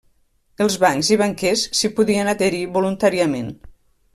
Els bancs i banquers s'hi podien adherir voluntàriament.